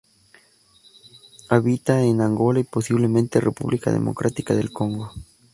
Habita en Angola y posiblemente República Democrática del Congo.